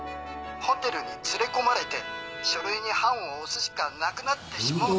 ホテルに連れ込まれて書類に判を押すしかなくなってしもうて。